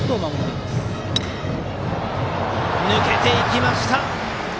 抜けていきました！